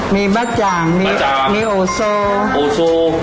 ไปกันเจ้าของด้วย